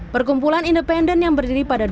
perkumpulan independen yang berdiri di situ